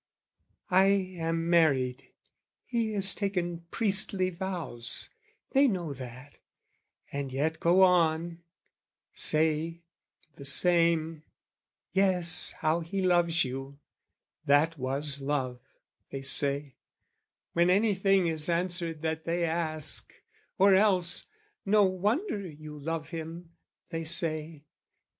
I am married, he has taken priestly vows, They know that, and yet go on, say, the same, "Yes, how he loves you!" "That was love" they say, When anything is answered that they ask: Or else "No wonder you love him" they say.